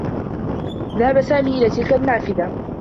ذهب سامي إلى تلك النّافذة.